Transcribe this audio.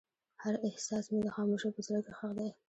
هر احساس مې د خاموشۍ په زړه کې ښخ دی.